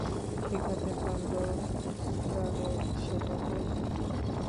শেখাতে পারলেও, রুস্টারের সেটা প্রয়োজন নেই।